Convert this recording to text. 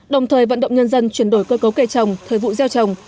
đồng thời vận động nhân dân chuyển đổi cơ cấu cây trồng thời vụ gieo trồng